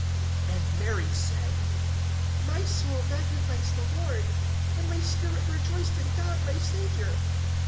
(46)And Mary said: My soul magnifies the Lord; (47)and my spirit rejoiced in God my Savior.